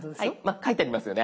書いてありますよね。